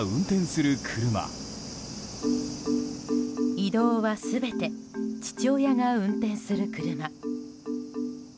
移動は全て父親が運転する車。